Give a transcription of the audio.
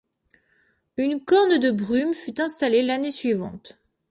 Une corne de brume fut installée l'année suivante.